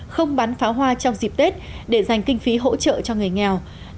không bắn pháo hoa trong dịp tết để dành kinh phí hỗ trợ cho người nghèo